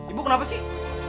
ibu kenapa sih